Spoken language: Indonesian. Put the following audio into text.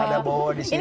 ada bowo di sini ya